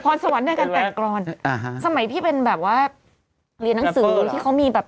พรสวรรค์ไหนกับแต่งกรรมสมัยพี่เป็นแบบว่าเรียนหนังสือที่เขามีแบบ